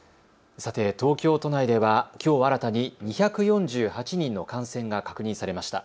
さて東京都内ではきょう新たに２４８人の感染が確認されました。